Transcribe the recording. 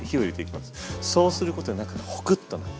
そうすることで中がホクッとなって。